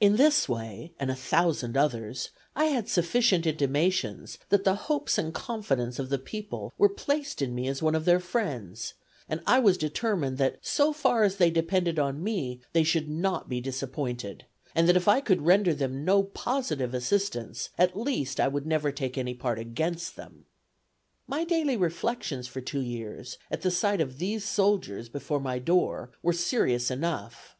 In this way and a thousand others, I had sufficient intimations that the hopes and confidence of the people were placed in me as one of their friends; and I was determined that, so far as depended on me, they should not be disappointed; and that if I could render them no positive assistance at least I would never take any part against them. "My daily reflections for two years, at the sight of these soldiers before my door, were serious enough.